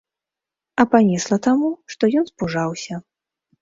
А панесла таму, што ён спужаўся.